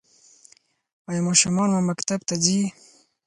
ایا ماشومان مو مکتب ته ځي؟